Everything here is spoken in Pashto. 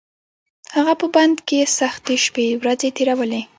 هغه په بند کې سختې شپې ورځې تېرولې.